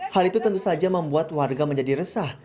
hal itu tentu saja membuat warga menjadi resah